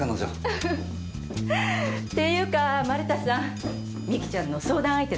ウフフていうか丸田さん美紀ちゃんの相談相手だったから。